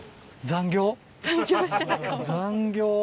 残業。